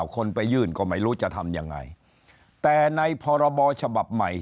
คนไปยื่นก็ไม่รู้จะทำยังไงแต่ในพรบฉบับใหม่